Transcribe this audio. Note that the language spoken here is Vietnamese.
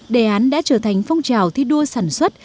đề án đã trở thành phong trào thi đua sản xuất